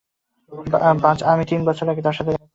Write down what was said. বায, আমি তিন বছর আগে তার সাথে দেখা করেছি।